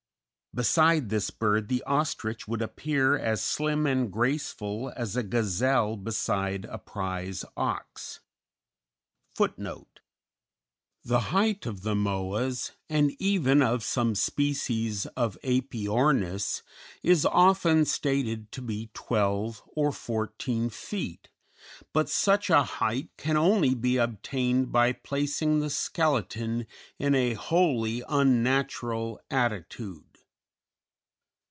Beside this bird the ostrich would appear as slim and graceful as a gazelle beside a prize ox. _The height of the Moas, and even of some species of Æpyornis, is often stated to be twelve or fourteen feet, but such a height can only be obtained by placing the skeleton in a wholly unnatural attitude.